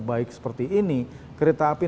baik seperti ini kereta api